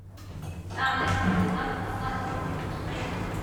aɣlif n twennaḍt d ṣṣehd ittusmaynun